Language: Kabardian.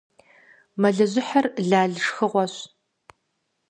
Мэлыжьыхьыр лал шхыгъуэщ.